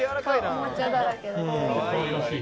おもちゃだらけです。